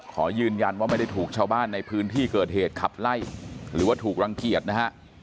ขอยืนยันว่าไม่ได้ถูกชาวบ้านในพื้นที่เกิดเหตุขับไล่หรือว่าถูกรังเกียจนะฮะ